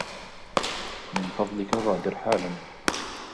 من فضلك غادر حالاً.